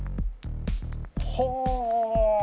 ほう！